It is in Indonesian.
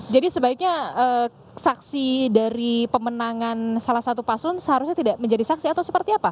jadi sebaiknya saksi dari pemenangan salah satu pasun seharusnya tidak menjadi saksi atau seperti apa